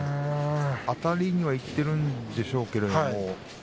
あたりにいっているんでしょうけどもね。